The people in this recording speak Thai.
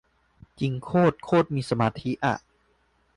จริงโคตร โคตรมีสมาธิอ่ะ